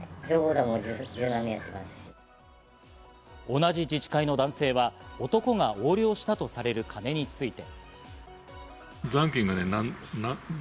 同じ自治会の男性は男が横領したとされる金について。